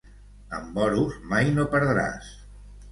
Amb oros mai no perdràs.